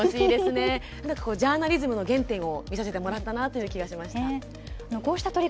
ジャーナリズムの原点を見せてもらったなという気がしました。